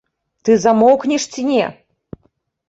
Ты замоўкнеш ці не!